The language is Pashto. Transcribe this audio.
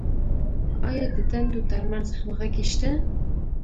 آیا د دندو تر منځ همغږي شته؟